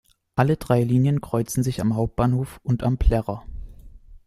Alle drei Linien kreuzen sich am Hauptbahnhof und am Plärrer.